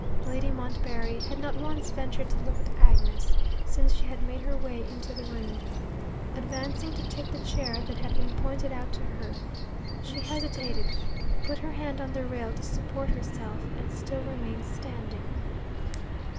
Lady Montbarry had not once ventured to look at Agnes, since she had made her way into the room. Advancing to take the chair that had been pointed out to her, she hesitated, put her hand on the rail to support herself, and still remained standing.